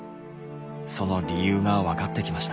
その理由が分かってきました。